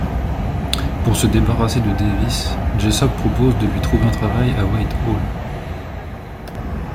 Pour se débarrasser de Davis, Jessop propose de lui trouver un travail à Whitehall.